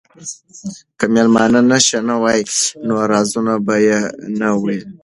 که مېلمانه نشه نه وای نو رازونه به یې نه ویل.